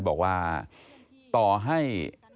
บอกว่าต่อให้